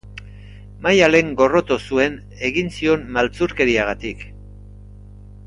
Maialen gorroto zuen egin zion maltzurkeriagatik.